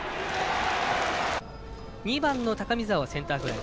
２番の高見澤はセンターフライ。